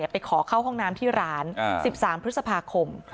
ไปขอเข้าห้องน้ำที่ร้าน๑๓พฤษภาคม